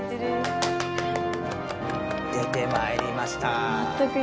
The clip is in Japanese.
出てまいりました。